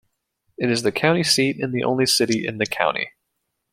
It is the county seat and the only city in the county.